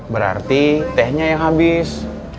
berarti tehnya yang habis